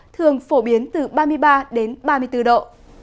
thường phổ biến từ ba mươi ba đến ba mươi bốn độ